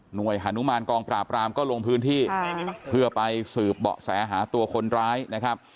โดยฮานุมานกองปราบรามก็ลงพื้นที่เพื่อไปสืบเบาะแสหาตัวคนร้ายนะครับ